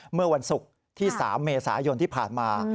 เมื่อวันศุกร์ที่๓เมษายนที่ผ่านมา